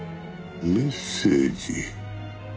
メッセージ。